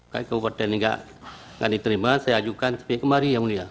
kabupaten enggak diterima saya ajukan sampai kemari ya mulia